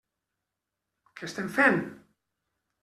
Què estem fent?